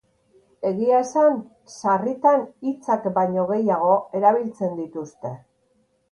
Egia esan, sarritan hitzak baino gehiago erabiltzen dituzte.